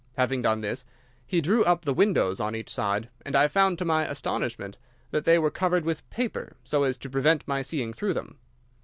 Having done this, he drew up the windows on each side, and I found to my astonishment that they were covered with paper so as to prevent my seeing through them.